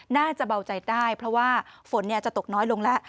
น่าจะเบาใจได้เพราะว่าฝนจะตกน้อยลงแล้ว